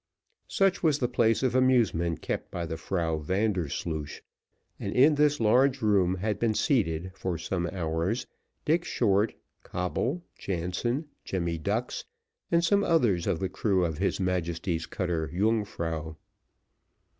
Such was the place of amusement kept by the Frau Vandersloosh, and in this large room had been seated, for some hours, Dick Short, Coble, Jansen, Jemmy Ducks, and some others of the crew of his Majesty's cutter Yungfrau.